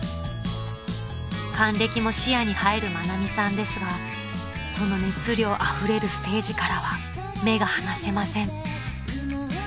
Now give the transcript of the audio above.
［還暦も視野に入る愛美さんですがその熱量あふれるステージからは目が離せません］